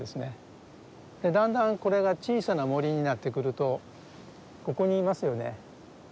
だんだんこれが小さな森になってくるとここにいますよね。